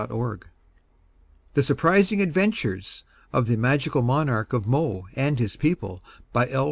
zip) THE SURPRISING ADVENTURES OF THE MAGICAL MONARCH OF MO AND HIS PEOPLE by L.